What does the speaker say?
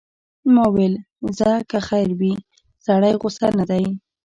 ما ویل ځه که خیر وي، سړی غوسه نه دی.